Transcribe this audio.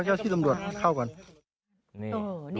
ชาวบ้านญาติโปรดแค้นไปดูภาพบรรยากาศขณะ